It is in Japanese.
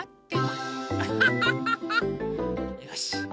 よし！